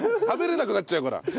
食べられなくなっちゃうから。